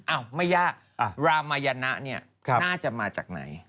ไม่ยากรามายนะเนี่ยน่าจะมาจากไหน